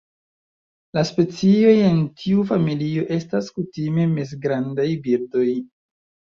La specioj en tiu familio estas kutime mezgrandaj birdoj.